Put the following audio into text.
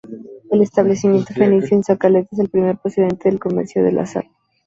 El establecimiento fenicio en sa Caleta es el primer precedente de comercio de sal.